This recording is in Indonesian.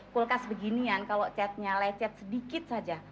kulkas beginian kalau catnya lecet sedikit saja